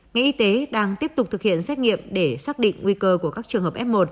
ngành y tế đang tiếp tục thực hiện xét nghiệm để xác định nguy cơ của các trường hợp f một